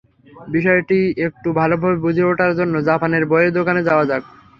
বিষয়টি একটু ভালোভাবে বুঝে ওঠার জন্য জাপানের বইয়ের দোকানে যাওয়া যাক।